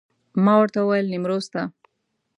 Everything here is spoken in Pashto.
ما ورته وویل نیمروز ته.